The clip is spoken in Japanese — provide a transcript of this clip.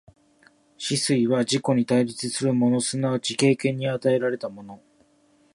思惟は自己に対立するもの即ち経験に与えられたもの、